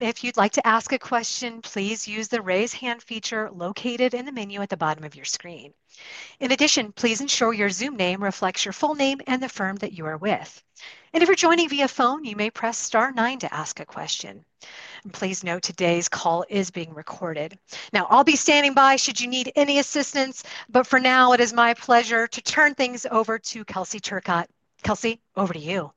If you'd like to ask a question, please use the raise hand feature located in the menu at the bottom of your screen. In addition, please ensure your Zoom name reflects your full name and the firm that you are with. And if you're joining via phone, you may press star nine to ask a question. And please note today's call is being recorded. Now, I'll be standing by should you need any assistance, but for now, it is my pleasure to turn things over to Kelsey Turcotte. Kelsey, over to you.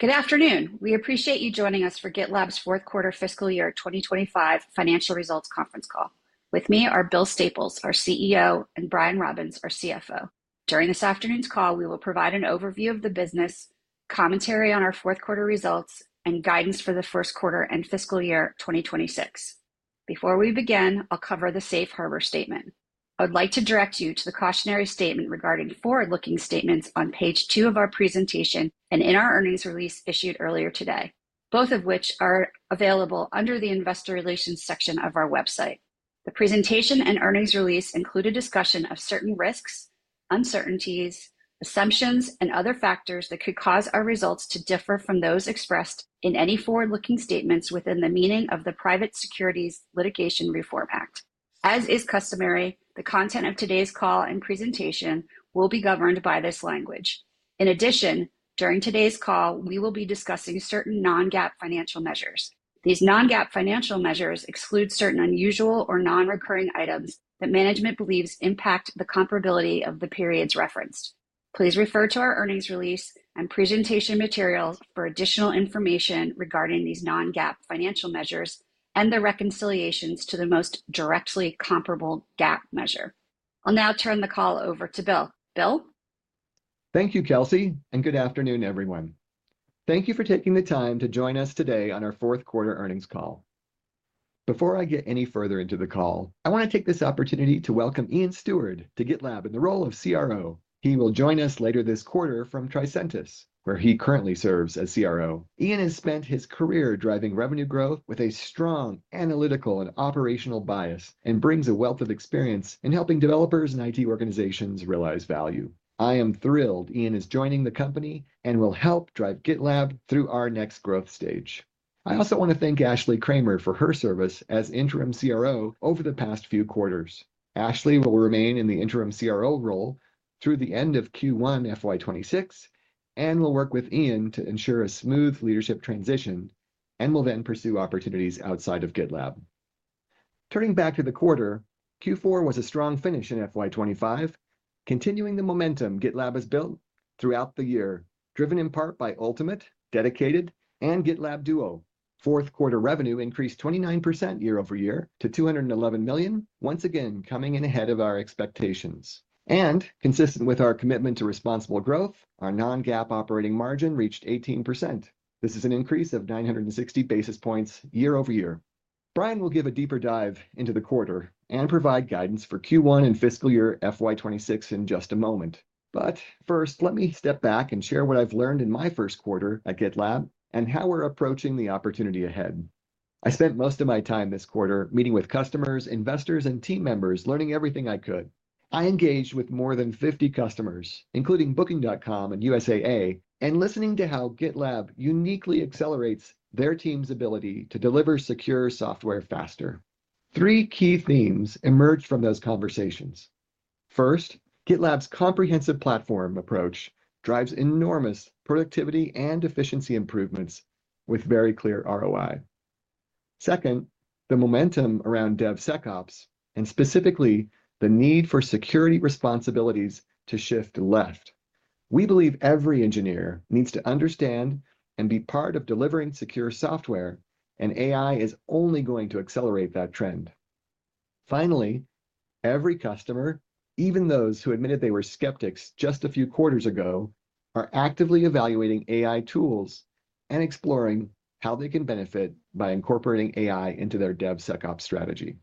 Good afternoon. We appreciate you joining us for GitLab's fourth quarter fiscal year 2025 financial results conference call. With me are Bill Staples, our CEO, and Brian Robbins, our CFO. During this afternoon's call, we will provide an overview of the business, commentary on our fourth quarter results, and guidance for the first quarter and fiscal year 2026. Before we begin, I'll cover the Safe Harbor statement. I would like to direct you to the cautionary statement regarding forward-looking statements on page two of our presentation and in our earnings release issued earlier today, both of which are available under the investor relations section of our website. The presentation and earnings release include a discussion of certain risks, uncertainties, assumptions, and other factors that could cause our results to differ from those expressed in any forward-looking statements within the meaning of the Private Securities Litigation Reform Act. As is customary, the content of today's call and presentation will be governed by this language. In addition, during today's call, we will be discussing certain non-GAAP financial measures. These non-GAAP financial measures exclude certain unusual or non-recurring items that management believes impact the comparability of the periods referenced. Please refer to our earnings release and presentation material for additional information regarding these non-GAAP financial measures and the reconciliations to the most directly comparable GAAP measure. I'll now turn the call over to Bill. Bill. Thank you, Kelsey, and good afternoon, everyone. Thank you for taking the time to join us today on our fourth quarter earnings call. Before I get any further into the call, I want to take this opportunity to welcome Ian Steward to GitLab in the role of CRO. He will join us later this quarter from Tricentis, where he currently serves as CRO. Ian has spent his career driving revenue growth with a strong analytical and operational bias and brings a wealth of experience in helping developers and IT organizations realize value. I am thrilled Ian is joining the company and will help drive GitLab through our next growth stage. I also want to thank Ashley Kramer for her service as interim CRO over the past few quarters. Ashley will remain in the interim CRO role through the end of Q1 FY 2026 and will work with Ian to ensure a smooth leadership transition and will then pursue opportunities outside of GitLab. Turning back to the quarter, Q4 was a strong finish in FY 2025, continuing the momentum GitLab has built throughout the year, driven in part by Ultimate, Dedicated, and GitLab Duo. Fourth quarter revenue increased 29% year over year to $211 million, once again coming in ahead of our expectations, and consistent with our commitment to responsible growth, our non-GAAP operating margin reached 18%. This is an increase of 960 basis points year over year. Brian will give a deeper dive into the quarter and provide guidance for Q1 and fiscal year FY 2026 in just a moment. But first, let me step back and share what I've learned in my first quarter at GitLab and how we're approaching the opportunity ahead. I spent most of my time this quarter meeting with customers, investors, and team members, learning everything I could. I engaged with more than 50 customers, including Booking.com and USAA, and listening to how GitLab uniquely accelerates their team's ability to deliver secure software faster. Three key themes emerged from those conversations. First, GitLab's comprehensive platform approach drives enormous productivity and efficiency improvements with very clear ROI. Second, the momentum around DevSecOps and specifically the need for security responsibilities to shift left. We believe every engineer needs to understand and be part of delivering secure software, and AI is only going to accelerate that trend. Finally, every customer, even those who admitted they were skeptics just a few quarters ago, are actively evaluating AI tools and exploring how they can benefit by incorporating AI into their DevSecOps strategy.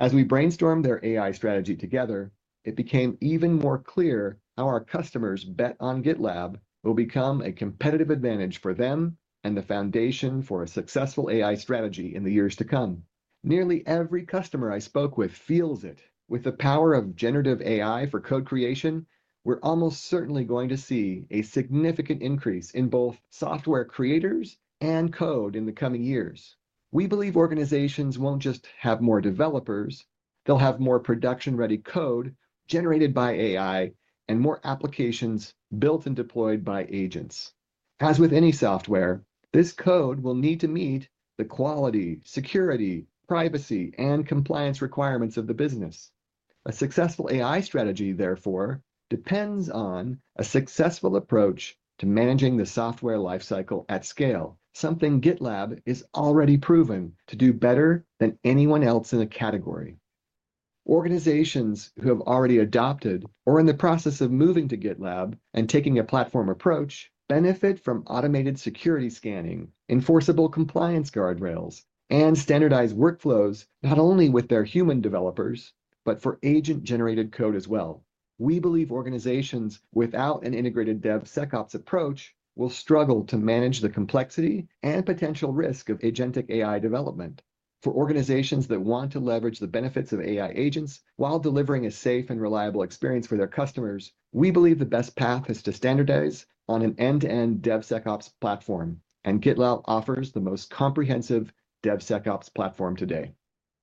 As we brainstormed their AI strategy together, it became even more clear how our customers bet on GitLab will become a competitive advantage for them and the foundation for a successful AI strategy in the years to come. Nearly every customer I spoke with feels it. With the power of generative AI for code creation, we're almost certainly going to see a significant increase in both software creators and code in the coming years. We believe organizations won't just have more developers. They'll have more production-ready code generated by AI and more applications built and deployed by agents. As with any software, this code will need to meet the quality, security, privacy, and compliance requirements of the business. A successful AI strategy, therefore, depends on a successful approach to managing the software lifecycle at scale, something GitLab is already proven to do better than anyone else in the category. Organizations who have already adopted or are in the process of moving to GitLab and taking a platform approach benefit from automated security scanning, enforceable compliance guardrails, and standardized workflows, not only with their human developers, but for agent-generated code as well. We believe organizations without an integrated DevSecOps approach will struggle to manage the complexity and potential risk of agentic AI development. For organizations that want to leverage the benefits of AI agents while delivering a safe and reliable experience for their customers, we believe the best path is to standardize on an end-to-end DevSecOps platform, and GitLab offers the most comprehensive DevSecOps platform today.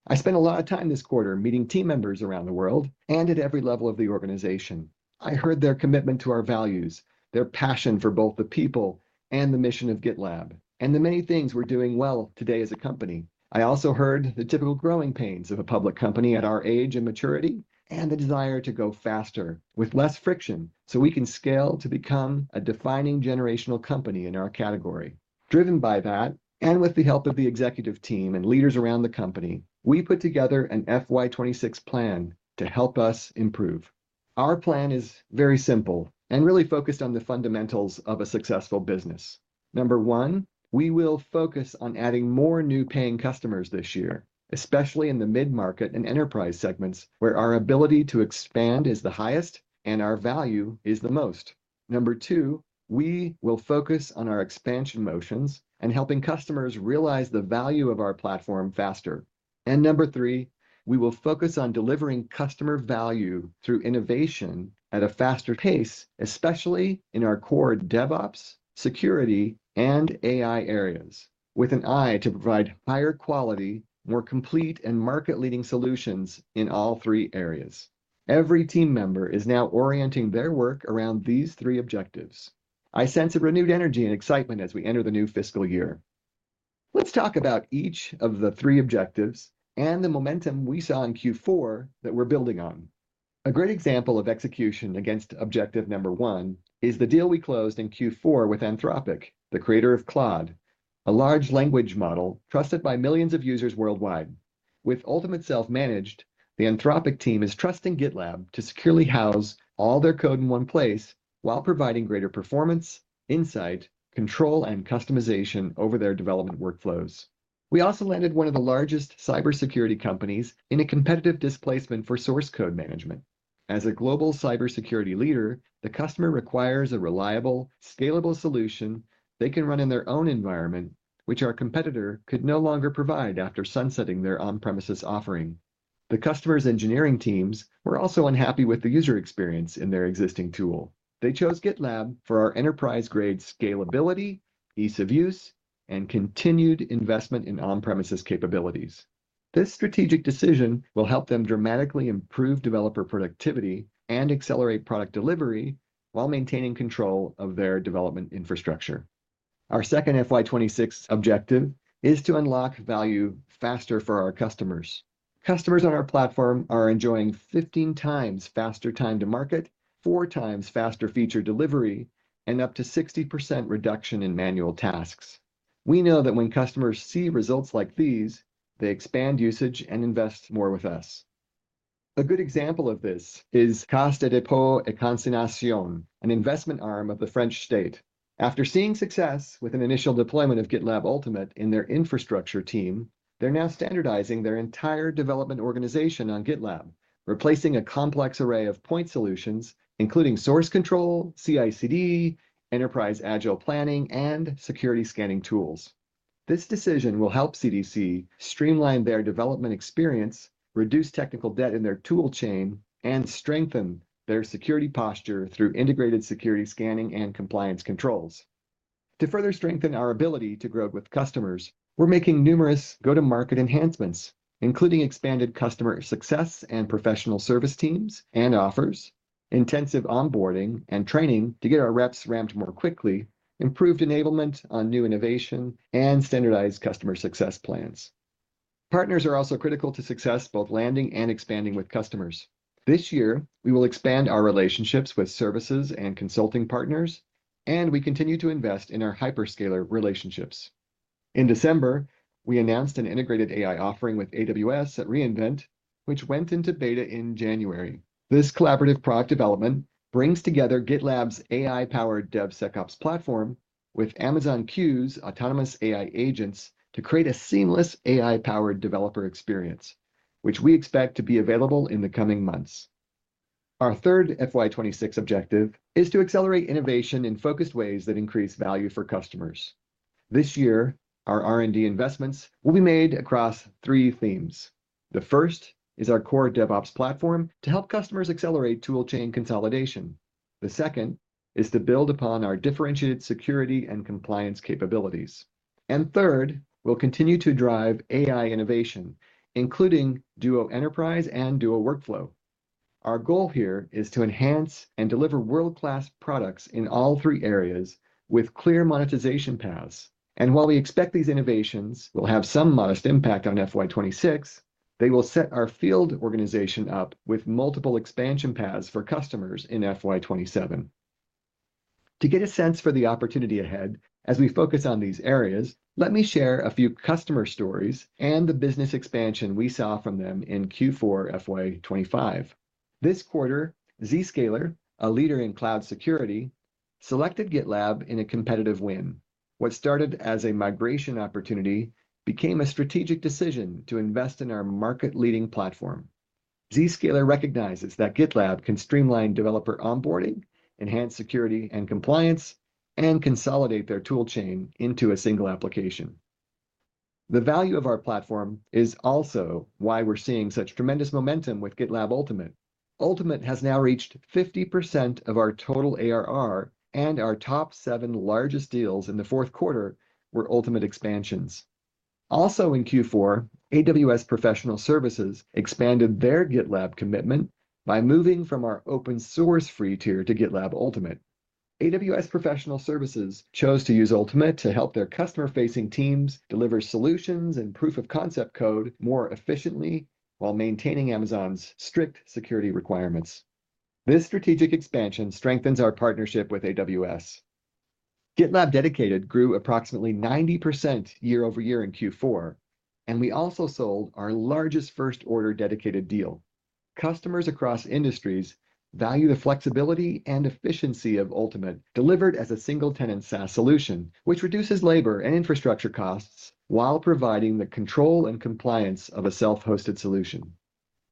I spent a lot of time this quarter meeting team members around the world and at every level of the organization. I heard their commitment to our values, their passion for both the people and the mission of GitLab, and the many things we're doing well today as a company. I also heard the typical growing pains of a public company at our age and maturity, and the desire to go faster with less friction so we can scale to become a defining generational company in our category. Driven by that, and with the help of the executive team and leaders around the company, we put together an FY 2026 plan to help us improve. Our plan is very simple and really focused on the fundamentals of a successful business. Number one, we will focus on adding more new paying customers this year, especially in the mid-market and enterprise segments where our ability to expand is the highest and our value is the most. Number two, we will focus on our expansion motions and helping customers realize the value of our platform faster, and number three, we will focus on delivering customer value through innovation at a faster pace, especially in our core DevOps, security, and AI areas, with an eye to provide higher quality, more complete, and market-leading solutions in all three areas. Every team member is now orienting their work around these three objectives. I sense a renewed energy and excitement as we enter the new fiscal year. Let's talk about each of the three objectives and the momentum we saw in Q4 that we're building on. A great example of execution against objective number one is the deal we closed in Q4 with Anthropic, the creator of Claude, a large language model trusted by millions of users worldwide. With Ultimate self-managed, the Anthropic team is trusting GitLab to securely house all their code in one place while providing greater performance, insight, control, and customization over their development workflows. We also landed one of the largest cybersecurity companies in a competitive displacement for source code management. As a global cybersecurity leader, the customer requires a reliable, scalable solution they can run in their own environment, which our competitor could no longer provide after sunsetting their on-premises offering. The customer's engineering teams were also unhappy with the user experience in their existing tool. They chose GitLab for our enterprise-grade scalability, ease of use, and continued investment in on-premises capabilities. This strategic decision will help them dramatically improve developer productivity and accelerate product delivery while maintaining control of their development infrastructure. Our second FY 2026 objective is to unlock value faster for our customers. Customers on our platform are enjoying 15 times faster time to market, 4 times faster feature delivery, and up to 60% reduction in manual tasks. We know that when customers see results like these, they expand usage and invest more with us. A good example of this is Caisse des Dépôts et Consignations, an investment arm of the French state. After seeing success with an initial deployment of GitLab Ultimate in their infrastructure team, they're now standardizing their entire development organization on GitLab, replacing a complex array of point solutions, including source control, CI/CD, enterprise agile planning, and security scanning tools. This decision will help CI/CD streamline their development experience, reduce technical debt in their toolchain, and strengthen their security posture through integrated security scanning and compliance controls. To further strengthen our ability to grow with customers, we're making numerous go-to-market enhancements, including expanded Customer Success and Professional Service teams and offers, intensive onboarding and training to get our reps ramped more quickly, improved enablement on new innovation, and standardized Customer Success plans. Partners are also critical to success, both landing and expanding with customers. This year, we will expand our relationships with services and consulting partners, and we continue to invest in our hyperscaler relationships. In December, we announced an integrated AI offering with AWS at re:Invent, which went into beta in January. This collaborative product development brings together GitLab's AI-powered DevSecOps platform with Amazon Q's autonomous AI agents to create a seamless AI-powered developer experience, which we expect to be available in the coming months. Our third FY 2026 objective is to accelerate innovation in focused ways that increase value for customers. This year, our R&D investments will be made across three themes. The first is our core DevOps platform to help customers accelerate toolchain consolidation. The second is to build upon our differentiated security and compliance capabilities. And third, we'll continue to drive AI innovation, including Duo Enterprise and Duo Workflow. Our goal here is to enhance and deliver world-class products in all three areas with clear monetization paths. And while we expect these innovations will have some modest impact on FY 2026, they will set our field organization up with multiple expansion paths for customers in FY 2027. To get a sense for the opportunity ahead as we focus on these areas, let me share a few customer stories and the business expansion we saw from them in Q4 FY 2025. This quarter, Zscaler, a leader in cloud security, selected GitLab in a competitive win. What started as a migration opportunity became a strategic decision to invest in our market-leading platform. Zscaler recognizes that GitLab can streamline developer onboarding, enhance security and compliance, and consolidate their toolchain into a single application. The value of our platform is also why we're seeing such tremendous momentum with GitLab Ultimate. Ultimate has now reached 50% of our total ARR, and our top seven largest deals in the fourth quarter were Ultimate expansions. Also in Q4, AWS Professional Services expanded their GitLab commitment by moving from our open-source Free tier to GitLab Ultimate. AWS Professional Services chose to use Ultimate to help their customer-facing teams deliver solutions and proof-of-concept code more efficiently while maintaining Amazon's strict security requirements. This strategic expansion strengthens our partnership with AWS. GitLab Dedicated grew approximately 90% year over year in Q4, and we also sold our largest first-order Dedicated deal. Customers across industries value the flexibility and efficiency of Ultimate delivered as a single-tenant SaaS solution, which reduces labor and infrastructure costs while providing the control and compliance of a self-hosted solution.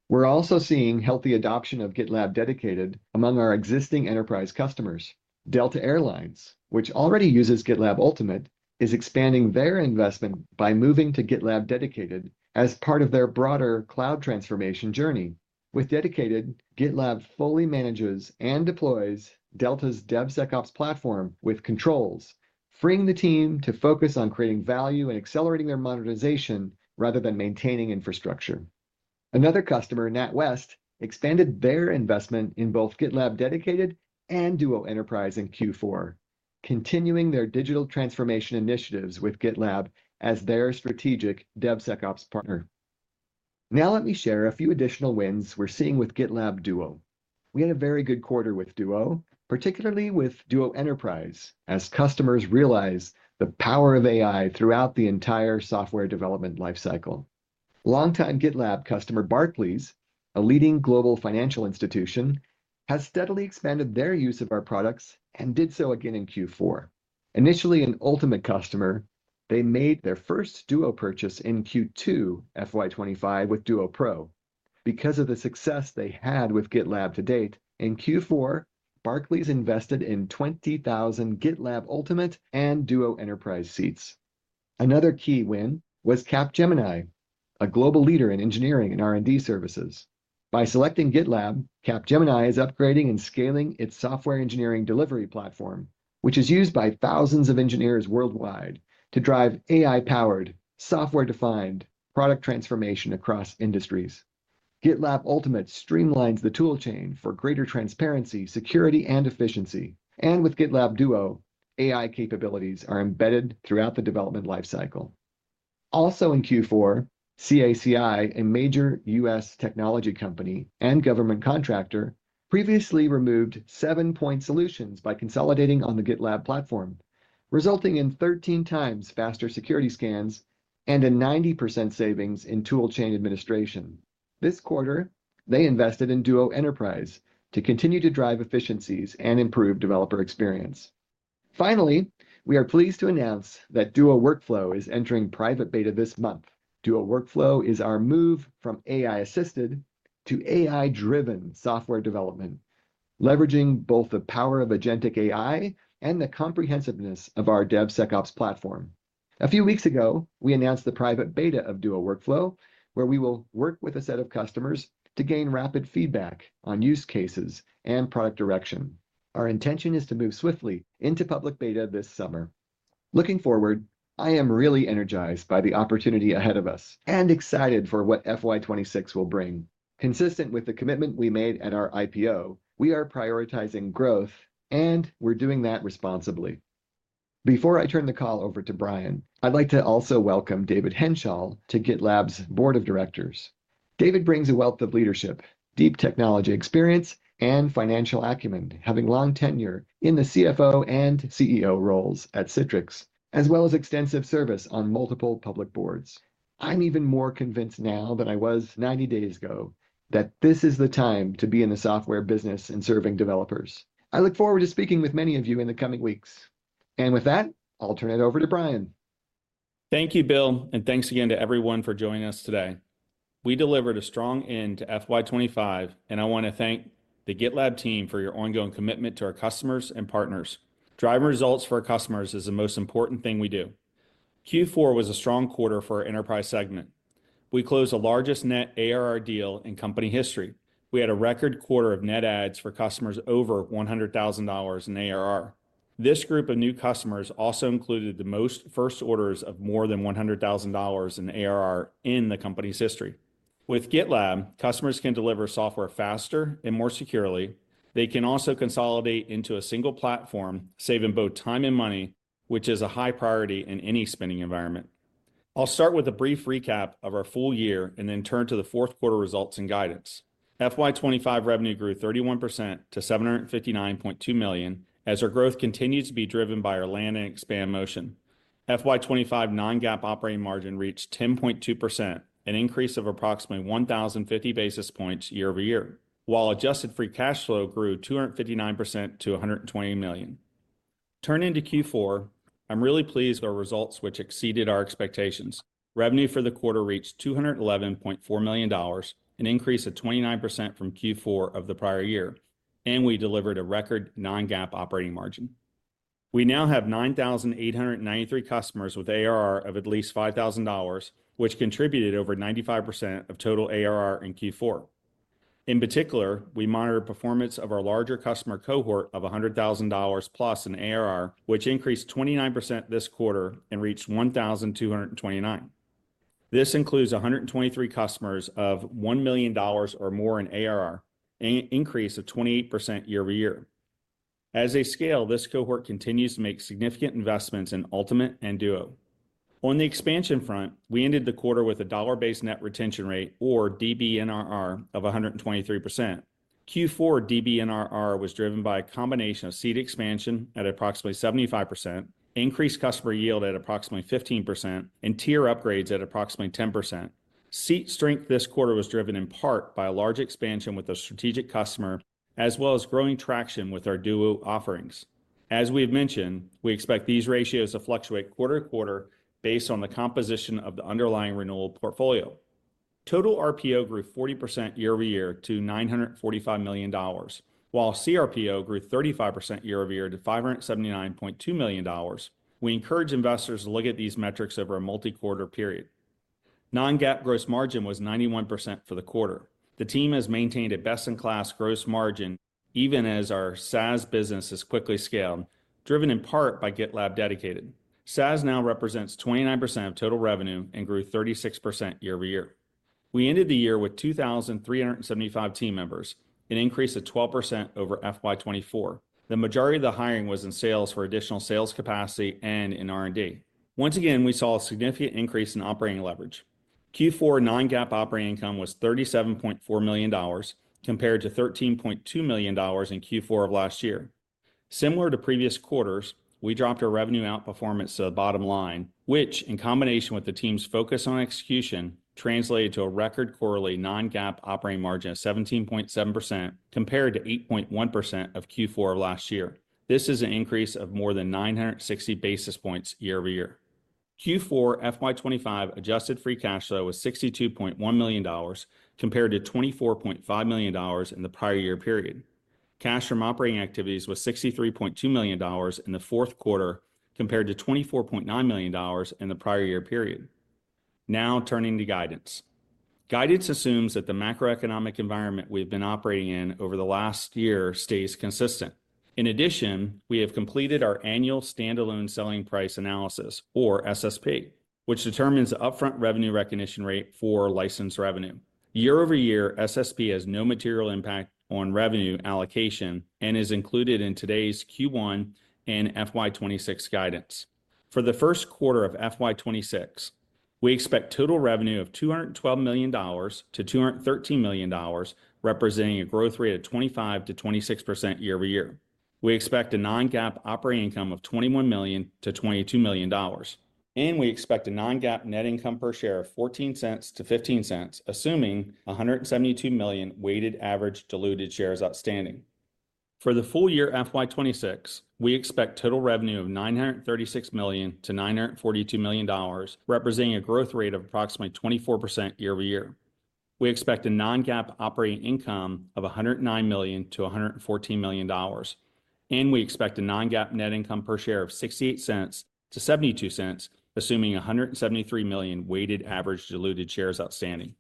We're also seeing healthy adoption of GitLab Dedicated among our existing enterprise customers. Delta Air Lines, which already uses GitLab Ultimate, is expanding their investment by moving to GitLab Dedicated as part of their broader cloud transformation journey. With Dedicated, GitLab fully manages and deploys Delta's DevSecOps platform with controls, freeing the team to focus on creating value and accelerating their monetization rather than maintaining infrastructure. Another customer, NatWest, expanded their investment in both GitLab Dedicated and Duo Enterprise in Q4, continuing their digital transformation initiatives with GitLab as their strategic DevSecOps partner. Now let me share a few additional wins we're seeing with GitLab Duo. We had a very good quarter with Duo, particularly with Duo Enterprise, as customers realize the power of AI throughout the entire software development lifecycle. Longtime GitLab customer Barclays, a leading global financial institution, has steadily expanded their use of our products and did so again in Q4. Initially an Ultimate customer, they made their first Duo purchase in Q2 FY 2025 with Duo Pro. Because of the success they had with GitLab to date, in Q4, Barclays invested in 20,000 GitLab Ultimate and Duo Enterprise seats. Another key win was Capgemini, a global leader in engineering and R&D services. By selecting GitLab, Capgemini is upgrading and scaling its software engineering delivery platform, which is used by thousands of engineers worldwide to drive AI-powered, software-defined product transformation across industries. GitLab Ultimate streamlines the toolchain for greater transparency, security, and efficiency, and with GitLab Duo, AI capabilities are embedded throughout the development lifecycle. Also in Q4, CACI, a major U.S. technology company and government contractor, previously removed seven point solutions by consolidating on the GitLab platform, resulting in 13 times faster security scans and a 90% savings in toolchain administration. This quarter, they invested in Duo Enterprise to continue to drive efficiencies and improve developer experience. Finally, we are pleased to announce that Duo Workflow is entering private beta this month. Duo Workflow is our move from AI-assisted to AI-driven software development, leveraging both the power of agentic AI and the comprehensiveness of our DevSecOps platform. A few weeks ago, we announced the private beta of Duo Workflow, where we will work with a set of customers to gain rapid feedback on use cases and product direction. Our intention is to move swiftly into public beta this summer. Looking forward, I am really energized by the opportunity ahead of us and excited for what FY 2026 will bring. Consistent with the commitment we made at our IPO, we are prioritizing growth, and we're doing that responsibly. Before I turn the call over to Brian, I'd like to also welcome David Henshall to GitLab's board of directors. David brings a wealth of leadership, deep technology experience, and financial acumen, having long tenure in the CFO and CEO roles at Citrix, as well as extensive service on multiple public boards. I'm even more convinced now than I was 90 days ago that this is the time to be in the software business and serving developers. I look forward to speaking with many of you in the coming weeks, and with that, I'll turn it over to Brian. Thank you, Bill, and thanks again to everyone for joining us today. We delivered a strong end to FY 2025, and I want to thank the GitLab team for your ongoing commitment to our customers and partners. Driving results for our customers is the most important thing we do. Q4 was a strong quarter for our enterprise segment. We closed the largest net ARR deal in company history. We had a record quarter of net adds for customers over $100,000 in ARR. This group of new customers also included the most first orders of more than $100,000 in ARR in the company's history. With GitLab, customers can deliver software faster and more securely. They can also consolidate into a single platform, saving both time and money, which is a high priority in any spending environment. I'll start with a brief recap of our full year and then turn to the fourth quarter results and guidance. FY 2025 revenue grew 31% to $759.2 million as our growth continues to be driven by our land and expand motion. FY 2025 non-GAAP operating margin reached 10.2%, an increase of approximately 1,050 basis points year over year, while adjusted free cash flow grew 259% to $120 million. Turning to Q4, I'm really pleased with our results, which exceeded our expectations. Revenue for the quarter reached $211.4 million, an increase of 29% from Q4 of the prior year, and we delivered a record non-GAAP operating margin. We now have 9,893 customers with ARR of at least $5,000, which contributed over 95% of total ARR in Q4. In particular, we monitored performance of our larger customer cohort of $100,000 plus in ARR, which increased 29% this quarter and reached $1.229 billion. This includes 123 customers of $1 million or more in ARR, an increase of 28% year over year. As they scale, this cohort continues to make significant investments in Ultimate and Duo. On the expansion front, we ended the quarter with a dollar-based net retention rate, or DBNRR, of 123%. Q4 DBNRR was driven by a combination of seat expansion at approximately 75%, increased customer yield at approximately 15%, and tier upgrades at approximately 10%. Seat strength this quarter was driven in part by a large expansion with a strategic customer, as well as growing traction with our Duo offerings. As we've mentioned, we expect these ratios to fluctuate quarter to quarter based on the composition of the underlying renewal portfolio. Total RPO grew 40% year over year to $945 million, while cRPO grew 35% year over year to $579.2 million. We encourage investors to look at these metrics over a multi-quarter period. Non-GAAP gross margin was 91% for the quarter. The team has maintained a best-in-class gross margin, even as our SaaS business has quickly scaled, driven in part by GitLab Dedicated. SaaS now represents 29% of total revenue and grew 36% year over year. We ended the year with 2,375 team members, an increase of 12% over FY 2024. The majority of the hiring was in sales for additional sales capacity and in R&D. Once again, we saw a significant increase in operating leverage. Q4 Non-GAAP operating income was $37.4 million, compared to $13.2 million in Q4 of last year. Similar to previous quarters, we dropped our revenue outperformance to the bottom line, which, in combination with the team's focus on execution, translated to a record quarterly Non-GAAP operating margin of 17.7%, compared to 8.1% of Q4 of last year. This is an increase of more than 960 basis points year over year. Q4 FY 2025 adjusted free cash flow was $62.1 million, compared to $24.5 million in the prior year period. Cash from operating activities was $63.2 million in the fourth quarter, compared to $24.9 million in the prior year period. Now turning to guidance. Guidance assumes that the macroeconomic environment we've been operating in over the last year stays consistent. In addition, we have completed our annual standalone selling price analysis, or SSP, which determines the upfront revenue recognition rate for licensed revenue. Year over year, SSP has no material impact on revenue allocation and is included in today's Q1 and FY 2026 guidance. For the first quarter of FY 2026, we expect total revenue of $212 million to $213 million, representing a growth rate of 25% to 26% year over year. We expect a non-GAAP operating income of $21 million to $22 million, and we expect a non-GAAP net income per share of $0.14 to $0.15, assuming $172 million weighted average diluted shares outstanding. For the full year FY 2026, we expect total revenue of $936 million to $942 million, representing a growth rate of approximately 24% year over year. We expect a non-GAAP operating income of $109-$114 million, and we expect a non-GAAP net income per share of $0.68-$0.72, assuming $173 million weighted average diluted shares outstanding.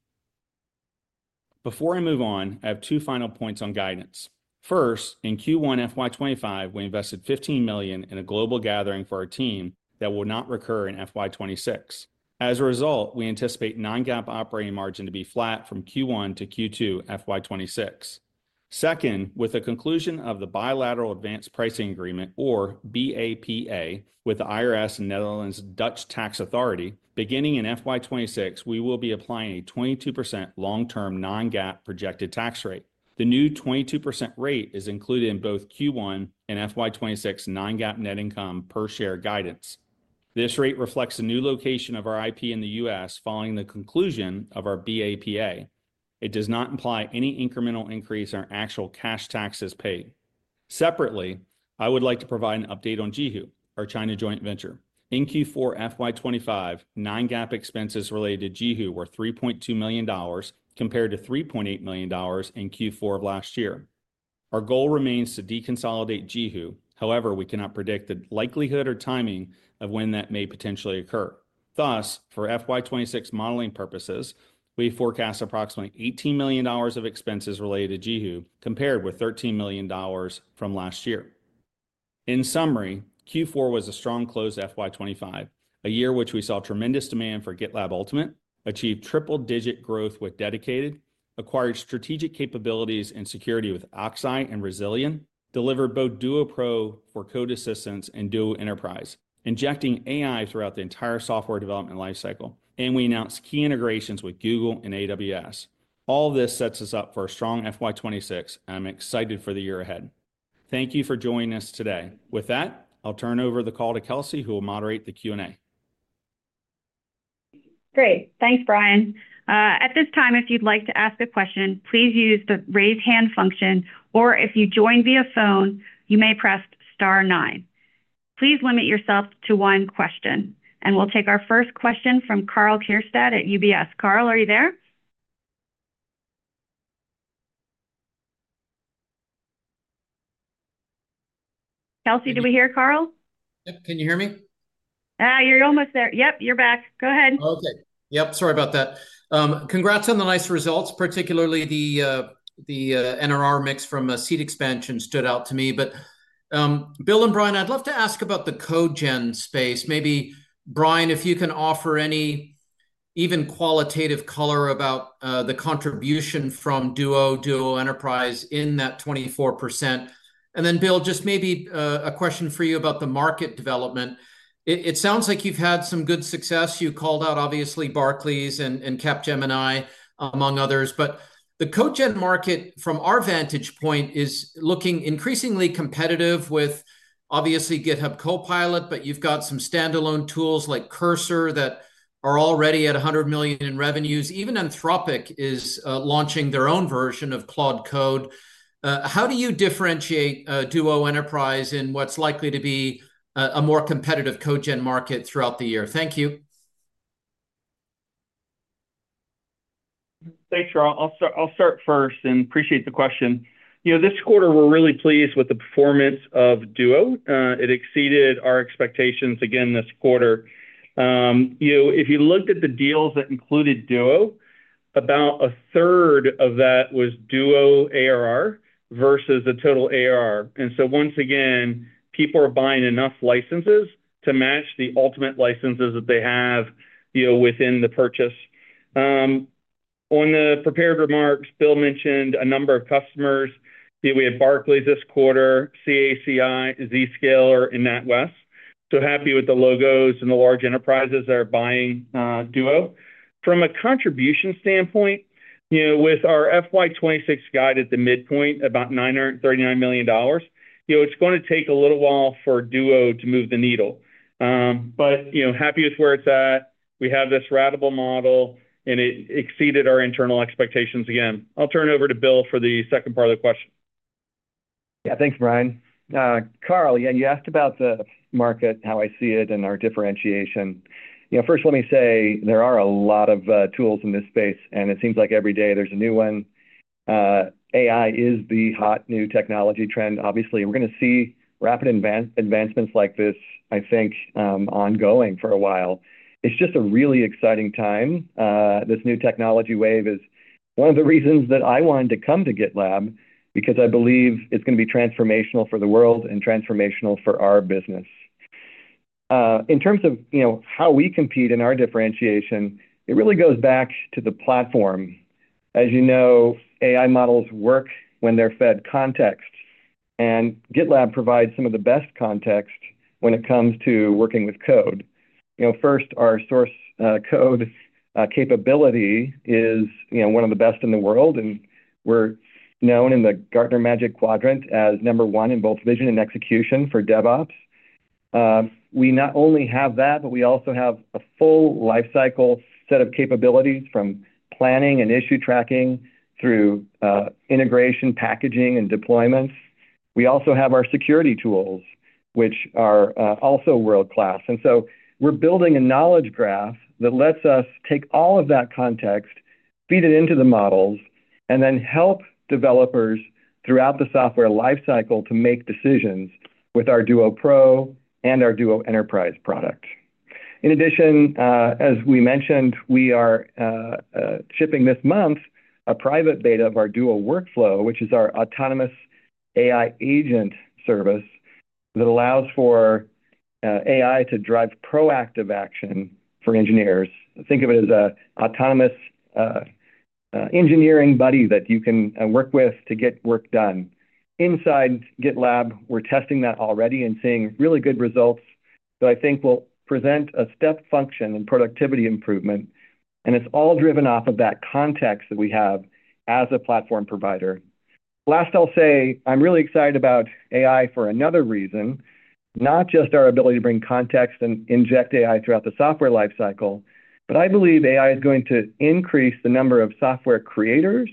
Before I move on, I have two final points on guidance. First, in Q1 FY 2025, we invested $15 million in a global gathering for our team that will not recur in FY 2026. As a result, we anticipate non-GAAP operating margin to be flat from Q1 to Q2 FY 2026. Second, with the conclusion of the bilateral advance pricing agreement, or BAPA, with the IRS and Netherlands Dutch Tax Authority, beginning in FY 2026, we will be applying a 22% long-term non-GAAP projected tax rate. The new 22% rate is included in both Q1 and FY 2026 non-GAAP net income per share guidance. This rate reflects the new location of our IP in the U.S. following the conclusion of our BAPA. It does not imply any incremental increase in our actual cash taxes paid. Separately, I would like to provide an update on JiHu, our China joint venture. In Q4 FY 2025, non-GAAP expenses related to JiHu were $3.2 million, compared to $3.8 million in Q4 of last year. Our goal remains to deconsolidate JiHu. However, we cannot predict the likelihood or timing of when that may potentially occur. Thus, for FY 2026 modeling purposes, we forecast approximately $18 million of expenses related to JiHu, compared with $13 million from last year. In summary, Q4 was a strong close to FY 2025, a year which we saw tremendous demand for GitLab Ultimate, achieved triple-digit growth with Dedicated, acquired strategic capabilities and security with Oxeye and Rezilion, delivered both Duo Pro for code assistance and Duo Enterprise, injecting AI throughout the entire software development lifecycle, and we announced key integrations with Google and AWS. All of this sets us up for a strong FY 2026, and I'm excited for the year ahead. Thank you for joining us today. With that, I'll turn it over to the call to Kelsey, who will moderate the Q&A. Great. Thanks, Brian. At this time, if you'd like to ask a question, please use the raise hand function, or if you joined via phone, you may press star nine. Please limit yourself to one question, and we'll take our first question from Karl Keirstead at UBS. Karl, are you there? Kelsey, do we hear Karl? Yep. Can you hear me? You're almost there. Yep, you're back. Go ahead. Okay. Yep. Sorry about that. Congrats on the nice results, particularly the NRR mix from seat expansion stood out to me. But Bill and Brian, I'd love to ask about the code gen space. Maybe, Brian, if you can offer any even qualitative color about the contribution from Duo, Duo Enterprise in that 24%. And then Bill, just maybe a question for you about the market development. It sounds like you've had some good success. You called out obviously Barclays and Capgemini, among others. But the code gen market, from our vantage point, is looking increasingly competitive with obviously GitHub Copilot, but you've got some standalone tools like Cursor that are already at $100 million in revenues. Even Anthropic is launching their own version of Claude Code. How do you differentiate Duo Enterprise in what's likely to be a more competitive code gen market throughout the year? Thank you. Thanks, Karl. I'll start first and appreciate the question. You know, this quarter, we're really pleased with the performance of Duo. It exceeded our expectations again this quarter. You know, if you looked at the deals that included Duo, about a third of that was Duo ARR versus the total ARR. And so once again, people are buying enough licenses to match the Ultimate licenses that they have within the purchase. On the prepared remarks, Bill mentioned a number of customers. We had Barclays this quarter, CACI, Zscaler, and NatWest. So happy with the logos and the large enterprises that are buying Duo. From a contribution standpoint, you know, with our FY 2026 guide at the midpoint, about $939 million, you know, it's going to take a little while for Duo to move the needle. But you know, happy with where it's at. We have this ratable model, and it exceeded our internal expectations again. I'll turn it over to Bill for the second part of the question. Yeah, thanks, Brian. Karl, again, you asked about the market, how I see it, and our differentiation. You know, first, let me say there are a lot of tools in this space, and it seems like every day there's a new one. AI is the hot new technology trend. Obviously, we're going to see rapid advancements like this, I think, ongoing for a while. It's just a really exciting time. This new technology wave is one of the reasons that I wanted to come to GitLab, because I believe it's going to be transformational for the world and transformational for our business. In terms of, you know, how we compete in our differentiation, it really goes back to the platform. As you know, AI models work when they're fed context, and GitLab provides some of the best context when it comes to working with code. You know, first, our source code capability is, you know, one of the best in the world, and we're known in the Gartner Magic Quadrant as number one in both vision and execution for DevOps. We not only have that, but we also have a full lifecycle set of capabilities from planning and issue tracking through integration, packaging, and deployments. We also have our security tools, which are also world-class, and so we're building a knowledge graph that lets us take all of that context, feed it into the models, and then help developers throughout the software lifecycle to make decisions with our Duo Pro and our Duo Enterprise product. In addition, as we mentioned, we are shipping this month a private beta of our Duo Workflow, which is our autonomous AI agent service that allows for AI to drive proactive action for engineers. Think of it as an autonomous engineering buddy that you can work with to get work done. Inside GitLab, we're testing that already and seeing really good results that I think will present a step function and productivity improvement. And it's all driven off of that context that we have as a platform provider. Last, I'll say I'm really excited about AI for another reason, not just our ability to bring context and inject AI throughout the software lifecycle, but I believe AI is going to increase the number of software creators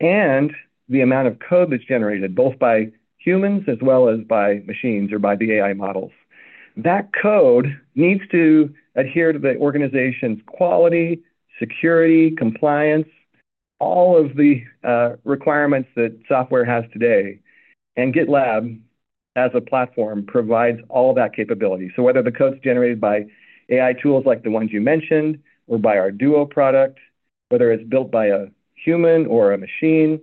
and the amount of code that's generated, both by humans as well as by machines or by the AI models. That code needs to adhere to the organization's quality, security, compliance, all of the requirements that software has today. And GitLab, as a platform, provides all of that capability. So whether the code's generated by AI tools like the ones you mentioned or by our Duo product, whether it's built by a human or a machine,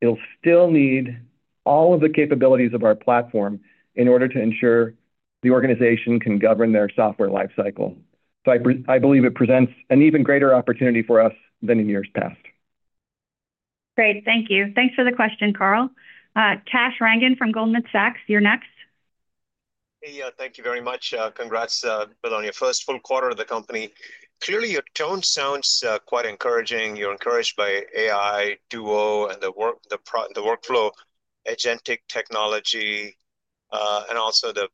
it'll still need all of the capabilities of our platform in order to ensure the organization can govern their software lifecycle. So I believe it presents an even greater opportunity for us than in years past. Great. Thank you. Thanks for the question, Karl. Kash Rangan from Goldman Sachs, you're next. Hey, thank you very much. Congrats on your first full quarter at the company. Clearly, your tone sounds quite encouraging. You're encouraged by AI, Duo, and the workflow, agentic technology, and also the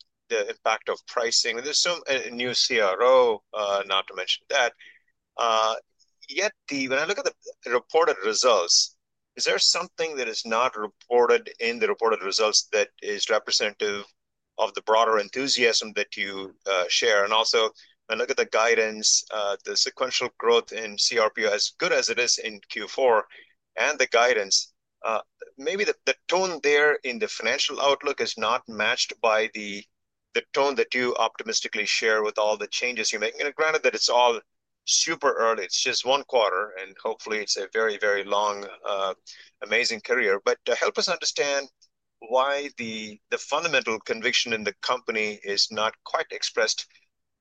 impact of pricing. There's some new CRO, not to mention that. Yet, when I look at the reported results, is there something that is not reported in the reported results that is representative of the broader enthusiasm that you share? And also, when I look at the guidance, the sequential growth in cRPO, as good as it is in Q4, and the guidance, maybe the tone there in the financial outlook is not matched by the tone that you optimistically share with all the changes you're making. And granted that it's all super early, it's just one quarter, and hopefully it's a very, very long, amazing career. But to help us understand why the fundamental conviction in the company is not quite expressed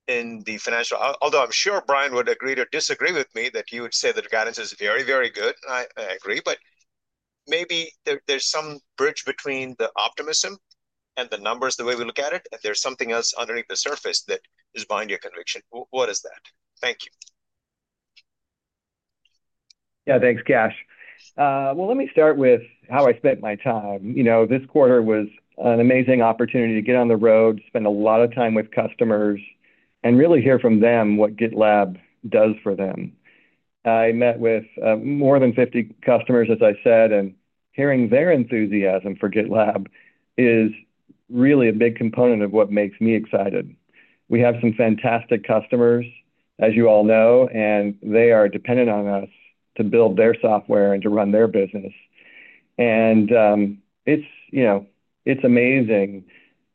in the financial, although I'm sure Brian would agree or disagree with me that you would say that the guidance is very, very good. I agree, but maybe there's some bridge between the optimism and the numbers the way we look at it, and there's something else underneath the surface that is behind your conviction. What is that? Thank you. Yeah, thanks, Kash. Well, let me start with how I spent my time. You know, this quarter was an amazing opportunity to get on the road, spend a lot of time with customers, and really hear from them what GitLab does for them. I met with more than 50 customers, as I said, and hearing their enthusiasm for GitLab is really a big component of what makes me excited. We have some fantastic customers, as you all know, and they are dependent on us to build their software and to run their business. And it's, you know, it's amazing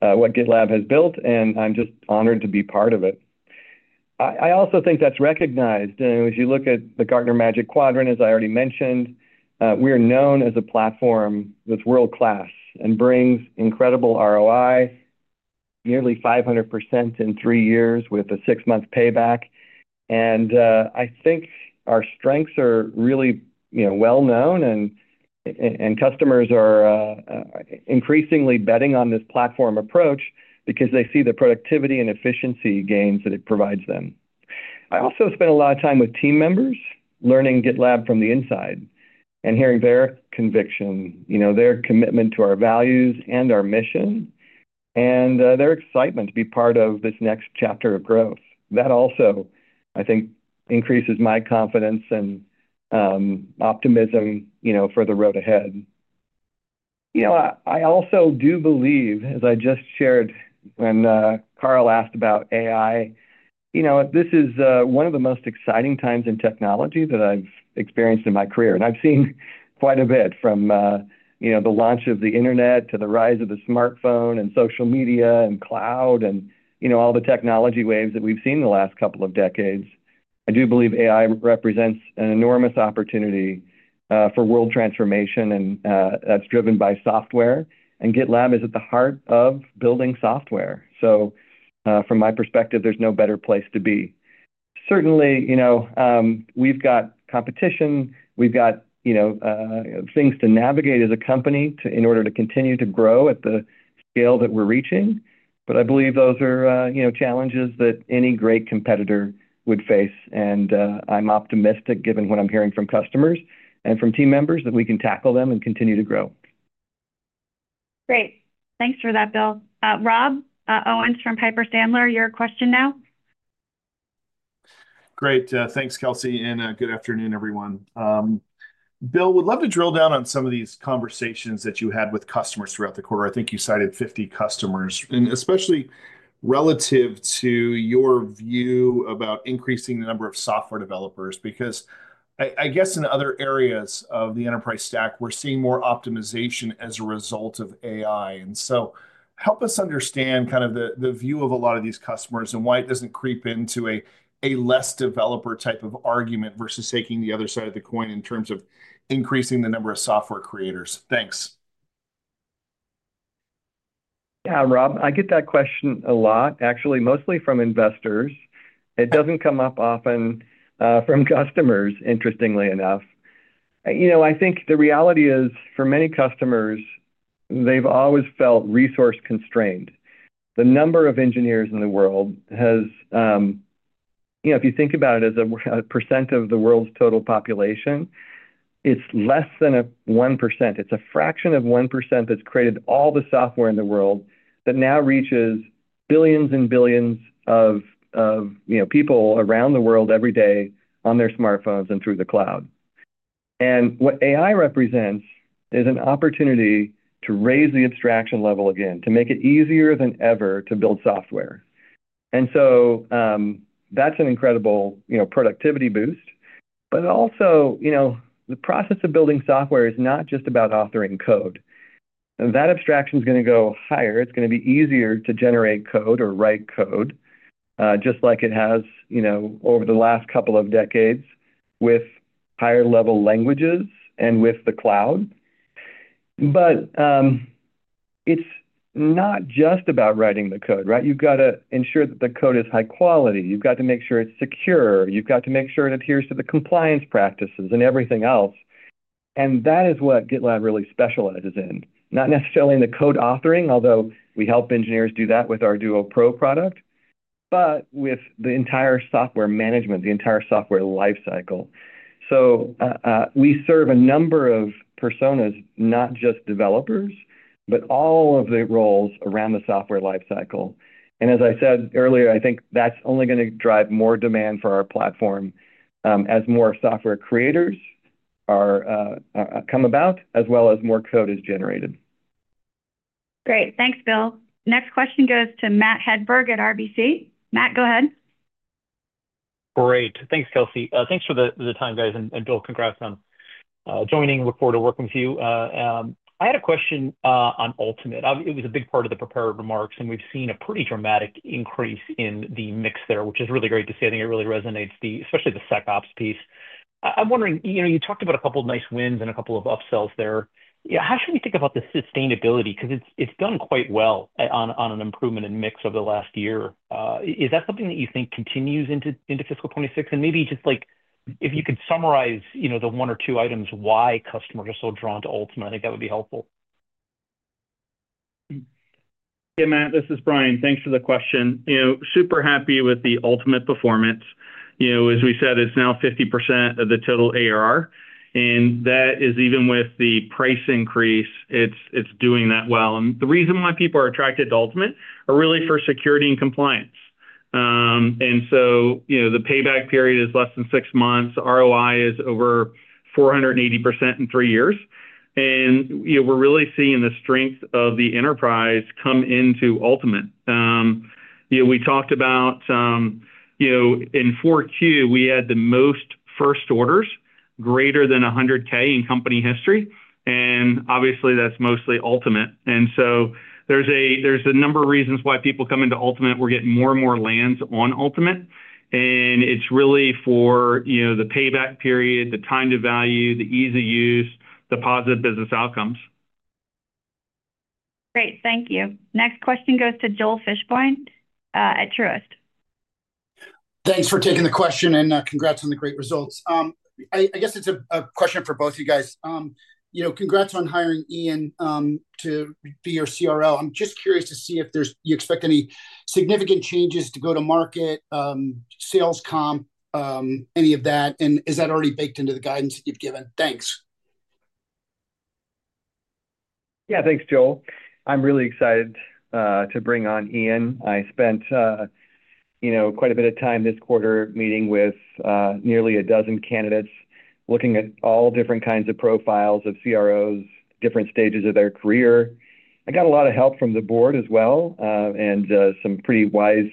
what GitLab has built, and I'm just honored to be part of it. I also think that's recognized. And as you look at the Gartner Magic Quadrant, as I already mentioned, we are known as a platform that's world-class and brings incredible ROI, nearly 500% in three years with a six-month payback. And I think our strengths are really, you know, well-known, and customers are increasingly betting on this platform approach because they see the productivity and efficiency gains that it provides them. I also spent a lot of time with team members learning GitLab from the inside and hearing their conviction, you know, their commitment to our values and our mission, and their excitement to be part of this next chapter of growth. That also, I think, increases my confidence and optimism, you know, for the road ahead. You know, I also do believe, as I just shared when Karl asked about AI, you know, this is one of the most exciting times in technology that I've experienced in my career, and I've seen quite a bit from, you know, the launch of the internet to the rise of the smartphone and social media and cloud and, you know, all the technology waves that we've seen in the last couple of decades. I do believe AI represents an enormous opportunity for world transformation, and that's driven by software. And GitLab is at the heart of building software. So from my perspective, there's no better place to be. Certainly, you know, we've got competition, we've got, you know, things to navigate as a company in order to continue to grow at the scale that we're reaching. But I believe those are, you know, challenges that any great competitor would face. And I'm optimistic given what I'm hearing from customers and from team members that we can tackle them and continue to grow. Great. Thanks for that, Bill. Rob Owens from Piper Sandler, your question now. Great. Thanks, Kelsey. And good afternoon, everyone. Bill, would love to drill down on some of these conversations that you had with customers throughout the quarter. I think you cited 50 customers, and especially relative to your view about increasing the number of software developers, because I guess in other areas of the enterprise stack, we're seeing more optimization as a result of AI, and so help us understand kind of the view of a lot of these customers and why it doesn't creep into a less developer type of argument versus taking the other side of the coin in terms of increasing the number of software creators. Thanks. Yeah, Rob, I get that question a lot, actually, mostly from investors. It doesn't come up often from customers, interestingly enough. You know, I think the reality is for many customers, they've always felt resource constrained. The number of engineers in the world has, you know, if you think about it as a % of the world's total population, it's less than 1%. It's a fraction of 1% that's created all the software in the world that now reaches billions and billions of, you know, people around the world every day on their smartphones and through the cloud. And what AI represents is an opportunity to raise the abstraction level again, to make it easier than ever to build software. And so that's an incredible, you know, productivity boost. But also, you know, the process of building software is not just about authoring code. That abstraction is going to go higher. It's going to be easier to generate code or write code, just like it has, you know, over the last couple of decades with higher-level languages and with the cloud. But it's not just about writing the code, right? You've got to ensure that the code is high quality. You've got to make sure it's secure. You've got to make sure it adheres to the compliance practices and everything else. And that is what GitLab really specializes in, not necessarily in the code authoring, although we help engineers do that with our Duo Pro product, but with the entire software management, the entire software lifecycle. So we serve a number of personas, not just developers, but all of the roles around the software lifecycle. And as I said earlier, I think that's only going to drive more demand for our platform as more software creators come about, as well as more code is generated. Great. Thanks, Bill. Next question goes to Matt Hedberg at RBC. Matt, go ahead. Great. Thanks, Kelsey. Thanks for the time, guys. And Bill, congrats on joining. Look forward to working with you. I had a question on Ultimate. It was a big part of the prepared remarks, and we've seen a pretty dramatic increase in the mix there, which is really great to see. I think it really resonates, especially the SecOps piece. I'm wondering, you know, you talked about a couple of nice wins and a couple of upsells there. How should we think about the sustainability? Because it's done quite well on an improvement in mix over the last year. Is that something that you think continues into Fiscal 2026? And maybe just like if you could summarize, you know, the one or two items why customers are so drawn to Ultimate, I think that would be helpful. Yeah, Matt, this is Brian. Thanks for the question. You know, super happy with the Ultimate performance. You know, as we said, it's now 50% of the total ARR. That is even with the price increase, it's doing that well. The reason why people are attracted to Ultimate are really for security and compliance. So, you know, the payback period is less than six months. ROI is over 480% in three years. You know, we're really seeing the strength of the enterprise come into Ultimate. You know, we talked about, you know, in 4Q, we had the most first orders greater than 100K in company history. Obviously, that's mostly Ultimate. So there's a number of reasons why people come into Ultimate. We're getting more and more lands on Ultimate. It's really for, you know, the payback period, the time to value, the ease of use, the positive business outcomes. Great. Thank you. Next question goes to Joel Fishbein at Truist. Thanks for taking the question and congrats on the great results. I guess it's a question for both of you guys. You know, congrats on hiring Ian to be your CRO. I'm just curious to see if you expect any significant changes to go-to-market, sales comp, any of that? And is that already baked into the guidance that you've given? Thanks. Yeah, thanks, Joel. I'm really excited to bring on Ian. I spent, you know, quite a bit of time this quarter meeting with nearly a dozen candidates looking at all different kinds of profiles of CROs, different stages of their career. I got a lot of help from the board as well and some pretty wise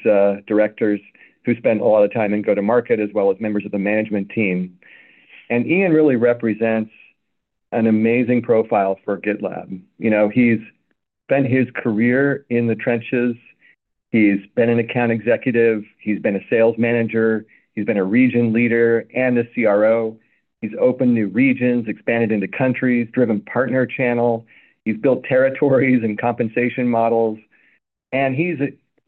directors who spent a lot of time in go-to-market as well as members of the management team. And Ian really represents an amazing profile for GitLab. You know, he's spent his career in the trenches. He's been an account executive. He's been a sales manager. He's been a region leader and a CRO. He's opened new regions, expanded into countries, driven partner channels. He's built territories and compensation models. And he's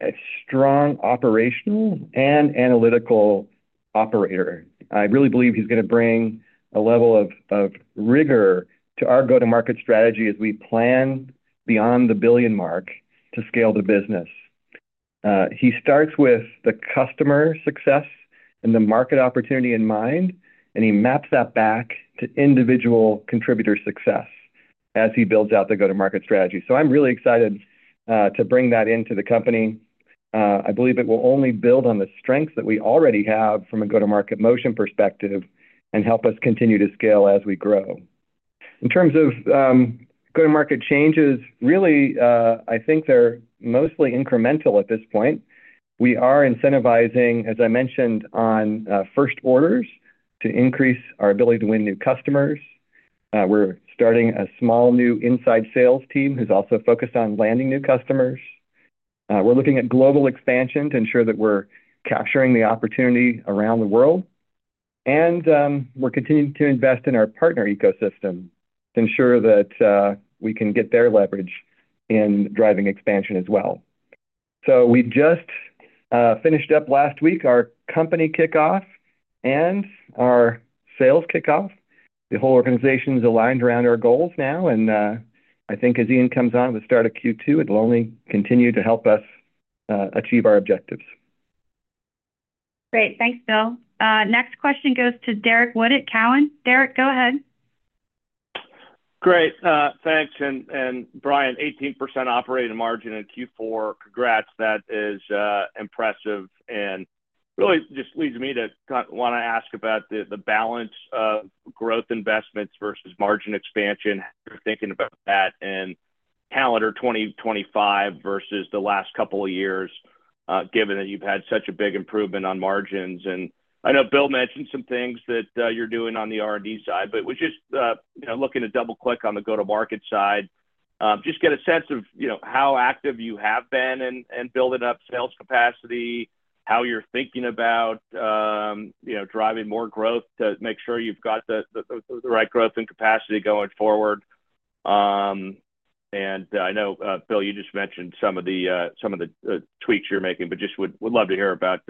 a strong operational and analytical operator. I really believe he's going to bring a level of rigor to our go-to-market strategy as we plan beyond the billion mark to scale the business. He starts with the Customer Success and the market opportunity in mind, and he maps that back to individual contributor success as he builds out the go-to-market strategy. So I'm really excited to bring that into the company. I believe it will only build on the strengths that we already have from a go-to-market motion perspective and help us continue to scale as we grow. In terms of go-to-market changes, really, I think they're mostly incremental at this point. We are incentivizing, as I mentioned, on first orders to increase our ability to win new customers. We're starting a small new inside sales team who's also focused on landing new customers. We're looking at global expansion to ensure that we're capturing the opportunity around the world. And we're continuing to invest in our partner ecosystem to ensure that we can get their leverage in driving expansion as well. So we just finished up last week our company kickoff and our sales kickoff. The whole organization is aligned around our goals now. And I think as Ian comes on, we'll start at Q2. It'll only continue to help us achieve our objectives. Great. Thanks, Bill. Next question goes to Derrick Wood at TD Cowen. Derek, go ahead. Great. Thanks. And Brian, 18% operating margin in Q4. Congrats. That is impressive. And really just leads me to want to ask about the balance of growth investments versus margin expansion. You're thinking about that and calendar 2025 versus the last couple of years, given that you've had such a big improvement on margins. And I know Bill mentioned some things that you're doing on the R&D side, but we're just, you know, looking to double-click on the go-to-market side. Just get a sense of, you know, how active you have been in building up sales capacity, how you're thinking about, you know, driving more growth to make sure you've got the right growth and capacity going forward. And I know, Bill, you just mentioned some of the tweaks you're making, but just would love to hear about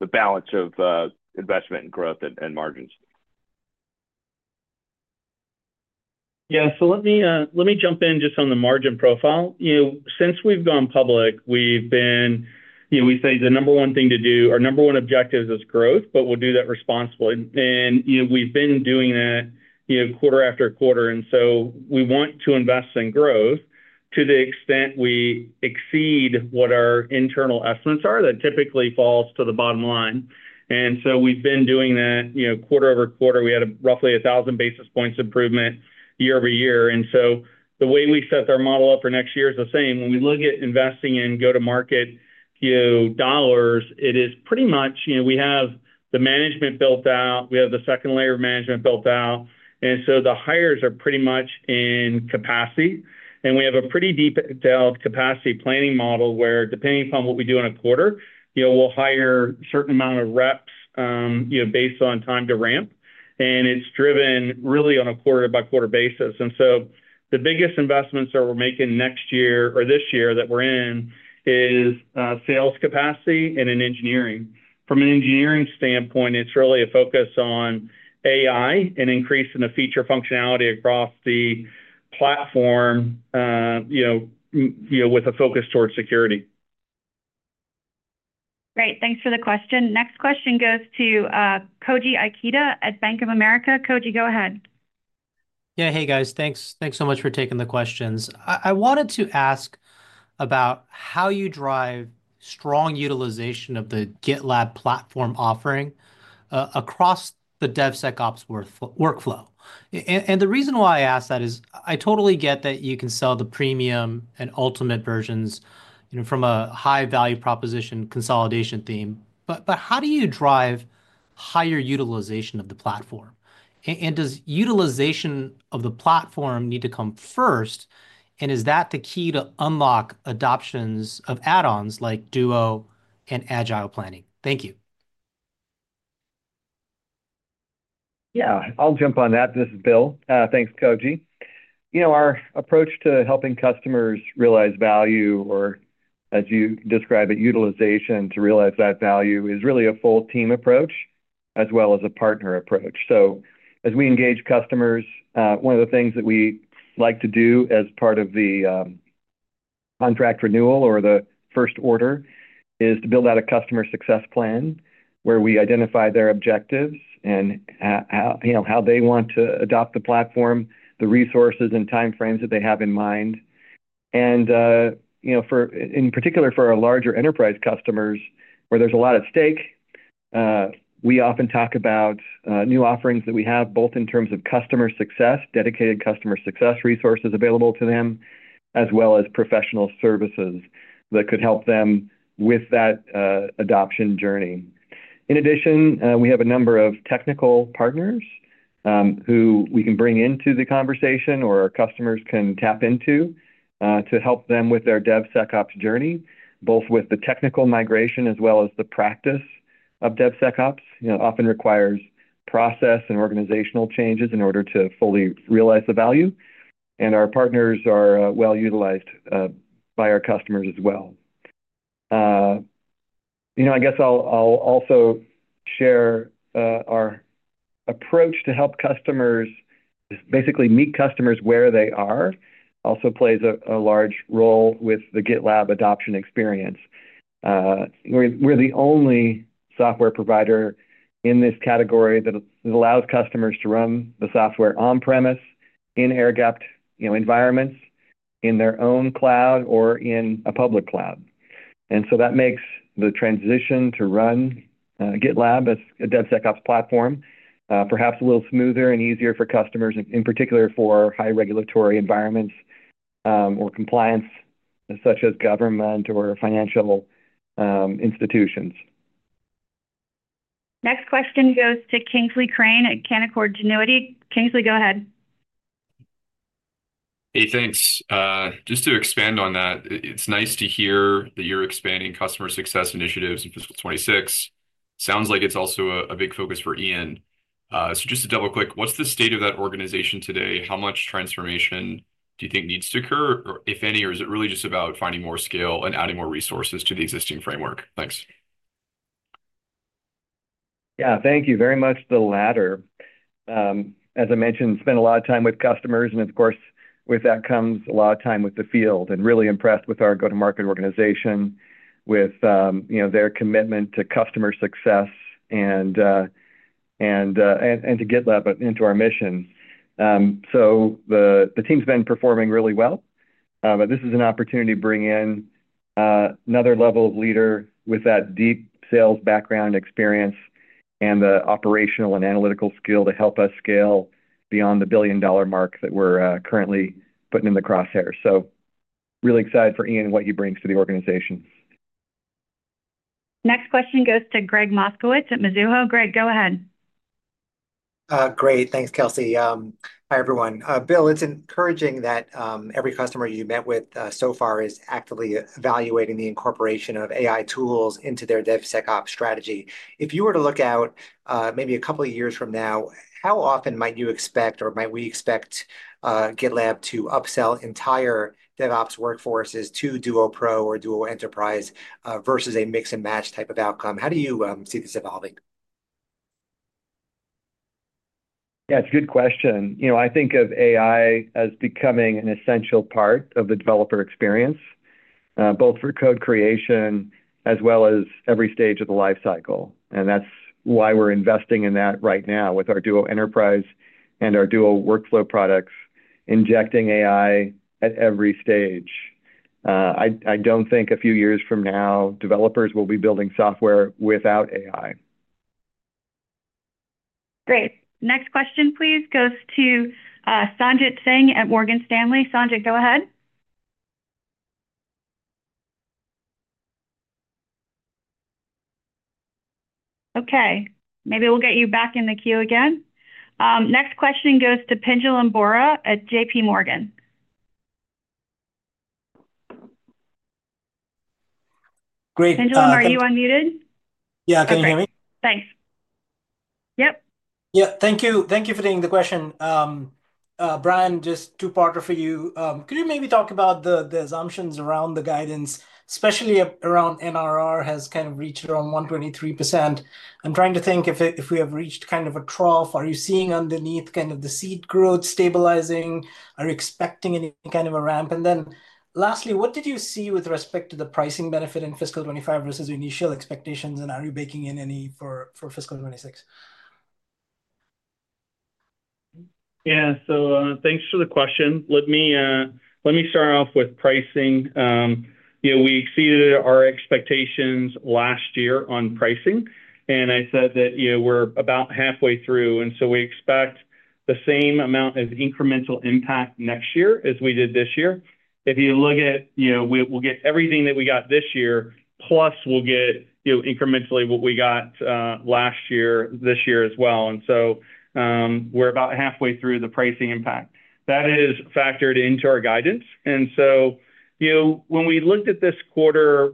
the balance of investment and growth and margins. Yeah. So let me jump in just on the margin profile. You know, since we've gone public, we've been, you know, we say the number one thing to do, our number one objective is growth, but we'll do that responsibly. And, you know, we've been doing that, you know, quarter after quarter. And so we want to invest in growth to the extent we exceed what our internal estimates are, that typically falls to the bottom line. And so we've been doing that, you know, quarter over quarter. We had roughly 1,000 basis points improvement year over year. And so the way we set our model up for next year is the same. When we look at investing in go-to-market, you know, dollars, it is pretty much, you know, we have the management built out. We have the second layer of management built out. And so the hires are pretty much in capacity. We have a pretty detailed capacity planning model where, depending upon what we do in a quarter, you know, we'll hire a certain amount of reps, you know, based on time to ramp. It's driven really on a quarter-by-quarter basis. The biggest investments that we're making next year or this year that we're in is sales capacity and in engineering. From an engineering standpoint, it's really a focus on AI and increasing the feature functionality across the platform, you know, with a focus towards security. Great. Thanks for the question. Next question goes to Koji Ikeda at Bank of America. Koji, go ahead. Yeah. Hey, guys. Thanks. Thanks so much for taking the questions. I wanted to ask about how you drive strong utilization of the GitLab platform offering across the DevSecOps workflow. And the reason why I ask that is I totally get that you can sell the Premium and Ultimate versions, you know, from a high-value proposition consolidation theme. But how do you drive higher utilization of the platform? And does utilization of the platform need to come first? And is that the key to unlock adoptions of add-ons like Duo and Agile Planning? Thank you. Yeah. I'll jump on that. This is Bill. Thanks, Koji. You know, our approach to helping customers realize value or, as you describe it, utilization to realize that value is really a full-team approach as well as a partner approach. So as we engage customers, one of the things that we like to do as part of the contract renewal or the first order is to build out a Customer Success plan where we identify their objectives and how they want to adopt the platform, the resources and time frames that they have in mind. And, you know, in particular for our larger enterprise customers where there's a lot at stake, we often talk about new offerings that we have both in terms of Customer Success, Dedicated Customer Success resources available to them, as well as Professional Services that could help them with that adoption journey. In addition, we have a number of technical partners who we can bring into the conversation or our customers can tap into to help them with their DevSecOps journey, both with the technical migration as well as the practice of DevSecOps, you know, often requires process and organizational changes in order to fully realize the value. And our partners are well utilized by our customers as well. You know, I guess I'll also share our approach to help customers basically meet customers where they are. Also plays a large role with the GitLab adoption experience. We're the only software provider in this category that allows customers to run the software on-premises, in air-gapped environments, in their own cloud or in a public cloud. And so that makes the transition to run GitLab as a DevSecOps platform perhaps a little smoother and easier for customers, in particular for high regulatory environments or compliance such as government or financial institutions. Next question goes to Kingsley Crane at Canaccord Genuity. Kingsley, go ahead. Hey, thanks. Just to expand on that, it's nice to hear that you're expanding Customer Success initiatives in Fiscal 26. Sounds like it's also a big focus for Ian. So just to double-click, what's the state of that organization today? How much transformation do you think needs to occur, if any, or is it really just about finding more scale and adding more resources to the existing framework? Thanks. Yeah. Thank you very much, the latter. As I mentioned, spent a lot of time with customers. And of course, with that comes a lot of time with the field. And really impressed with our go-to-market organization, with, you know, their commitment to Customer Success and to GitLab, but into our mission, so the team's been performing really well, but this is an opportunity to bring in another level of leader with that deep sales background experience and the operational and analytical skill to help us scale beyond the billion-dollar mark that we're currently putting in the crosshairs, so really excited for Ian and what he brings to the organization. Next question goes to Gregg Moskowitz at Mizuho. Gregg, go ahead. Great. Thanks, Kelsey. Hi, everyone. Bill, it's encouraging that every customer you met with so far is actively evaluating the incorporation of AI tools into their DevSecOps strategy. If you were to look out maybe a couple of years from now, how often might you expect or might we expect GitLab to upsell entire DevOps workforces to Duo Pro or Duo Enterprise versus a mix-and-match type of outcome? How do you see this evolving? Yeah, it's a good question. You know, I think of AI as becoming an essential part of the developer experience, both for code creation as well as every stage of the lifecycle. And that's why we're investing in that right now with our Duo Enterprise and our Duo Workflow products, injecting AI at every stage. I don't think a few years from now, developers will be building software without AI. Great. Next question, please, goes to Sanjit Singh at Morgan Stanley. Sanjit, go ahead. Okay. Maybe we'll get you back in the queue again. Next question goes to Pinjalim Bora at JPMorgan. Great. Thanks, Bill. Pinjalim, are you unmuted? Yeah, I can hear you. Thanks. Yep. Yep. Thank you. Thank you for taking the question. Brian, just two parter for you. Could you maybe talk about the assumptions around the guidance, especially around NRR has kind of reached around 123%? I'm trying to think if we have reached kind of a trough. Are you seeing underneath kind of the seat growth stabilizing? Are you expecting any kind of a ramp? And then lastly, what did you see with respect to the pricing benefit in Fiscal 2025 versus initial expectations? And are you baking in any for Fiscal 2026? Yeah. So thanks for the question. Let me start off with pricing. You know, we exceeded our expectations last year on pricing. And I said that, you know, we're about halfway through. And so we expect the same amount of incremental impact next year as we did this year. If you look at, you know, we'll get everything that we got this year, plus we'll get, you know, incrementally what we got last year, this year as well. And so we're about halfway through the pricing impact. That is factored into our guidance. And so, you know, when we looked at this quarter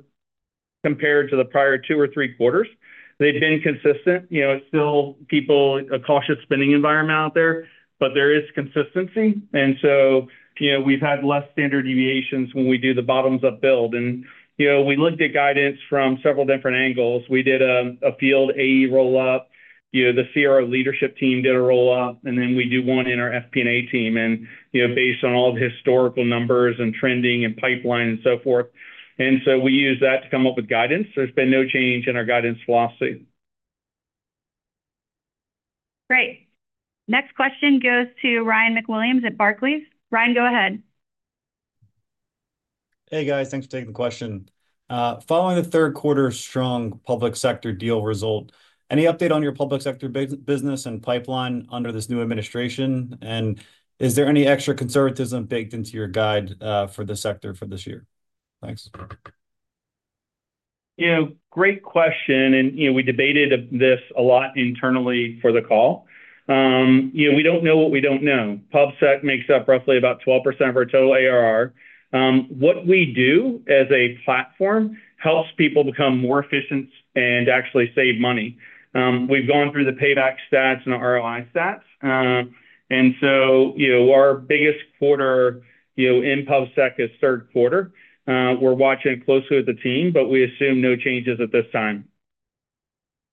compared to the prior two or three quarters, they've been consistent. You know, still people, a cautious spending environment out there, but there is consistency. And so, you know, we've had less standard deviations when we do the bottom-up building. And, you know, we looked at guidance from several different angles. We did a field AE roll-up. You know, the CRO leadership team did a roll-up. And then we do one in our FP&A team. You know, based on all the historical numbers and trending and pipeline and so forth. So we use that to come up with guidance. There's been no change in our guidance philosophy. Great. Next question goes to Ryan McWilliams at Barclays. Ryan, go ahead. Hey, guys. Thanks for taking the question. Following the third quarter strong public sector deal result, any update on your public sector business and pipeline under this new administration? And is there any extra conservatism baked into your guide for the sector for this year? Thanks. You know, great question. You know, we debated this a lot internally for the call. You know, we don't know what we don't know. PubSec makes up roughly about 12% of our total ARR. What we do as a platform helps people become more efficient and actually save money. We've gone through the payback stats and ROI stats. And so, you know, our biggest quarter, you know, in PubSec is third quarter. We're watching closely with the team, but we assume no changes at this time.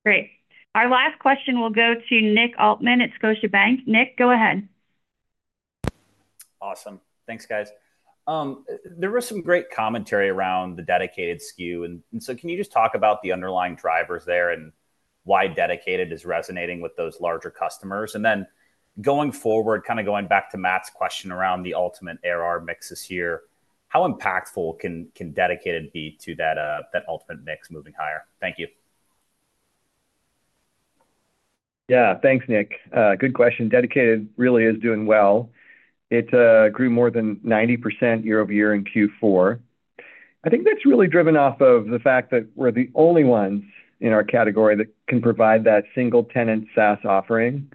Great. Our last question will go to Nick Altmann at Scotiabank. Nick, go ahead. Awesome. Thanks, guys. There was some great commentary around the Dedicated SKU. And so can you just talk about the underlying drivers there and why Dedicated is resonating with those larger customers? And then going forward, kind of going back to Matt's question around the Ultimate ARR mix this year, how impactful can Dedicated be to that Ultimate mix moving higher? Thank you. Yeah. Thanks, Nick. Good question. Dedicated really is doing well. It grew more than 90% year over year in Q4. I think that's really driven off of the fact that we're the only ones in our category that can provide that single-tenant SaaS offering.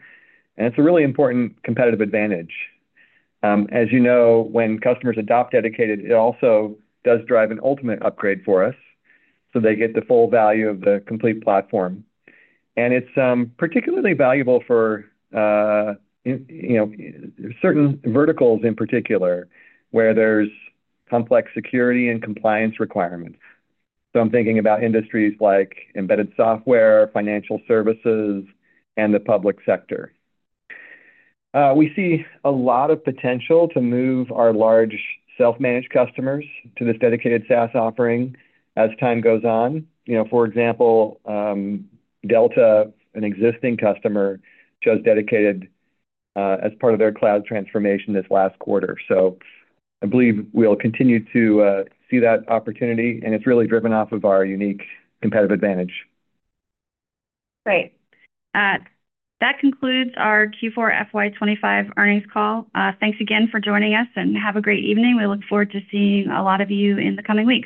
And it's a really important competitive advantage. As you know, when customers adopt Dedicated, it also does drive an Ultimate upgrade for us. So they get the full value of the complete platform. And it's particularly valuable for, you know, certain verticals in particular where there's complex security and compliance requirements. So I'm thinking about industries like embedded software, financial services, and the public sector. We see a lot of potential to move our large self-managed customers to this Dedicated SaaS offering as time goes on. You know, for example, Delta, an existing customer, chose Dedicated as part of their cloud transformation this last quarter. So I believe we'll continue to see that opportunity. And it's really driven off of our unique competitive advantage. Great. That concludes our Q4 FY 2025 Earnings Call. Thanks again for joining us and have a great evening. We look forward to seeing a lot of you in the coming weeks.